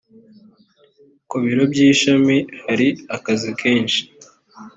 ku biro by’ishami hari akazi kenshi.